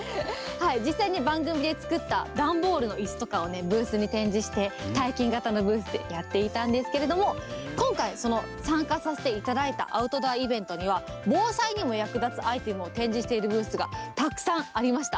実際に番組で作った段ボールのいすとかをブースに展示して、体験型のブースでやっていたんですけれども、今回、その参加させていただいたアウトドアイベントには、防災にも役立つアイテムを展示しているブースがたくさんありました。